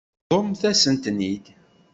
Bḍumt-asent-ten-id.